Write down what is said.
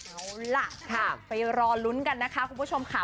เอาล่ะค่ะไปรอลุ้นกันนะคะคุณผู้ชมค่ะ